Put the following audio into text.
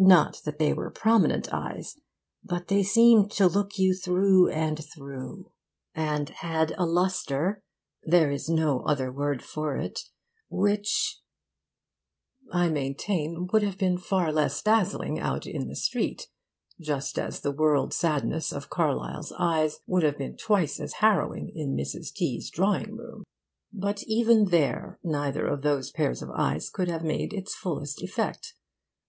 Not that they were prominent eyes, but they seemed to look you through and through, and had a lustre there is no other word for it which,' I maintain, would have been far less dazzling out in the street, just as the world sadness of Carlyle's eyes would have been twice as harrowing in Mrs. T 's drawing room. But even there neither of those pairs of eyes could have made its fullest effect.